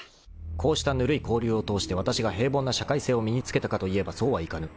［こうしたぬるい交流を通してわたしが平凡な社会性を身に付けたかといえばそうはいかぬ］